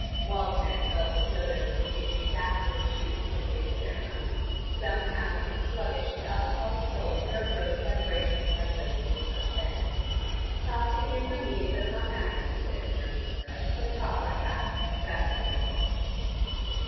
Waldenech felt that Dodo was behaving exactly as she used to behave at Zermatt. Somehow in his sluggish and alcoholic soul there rose vibrations like those he had felt then. "Talk to him or me, it does not matter," he said in German to her, "but talk like that. That is what I want."